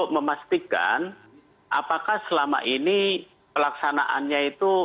memastikan apakah selama ini pelaksanaannya itu